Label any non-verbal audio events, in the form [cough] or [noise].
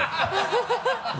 ハハハ [laughs]